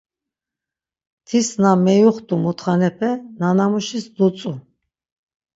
Tis na meyuxtu mutxanepe nanamuşis dutzu.